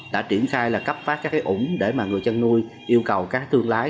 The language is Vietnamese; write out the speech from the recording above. đã triển khai là cấp phát các cái ủng để mà người chăn nuôi yêu cầu các thương lái